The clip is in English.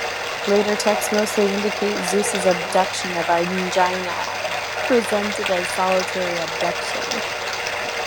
Later texts mostly indicate Zeus' abduction of Aegina, presented as a solitary abduction.